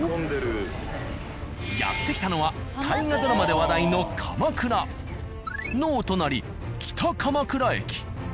やって来たのは大河ドラマで話題の鎌倉のお隣北鎌倉駅。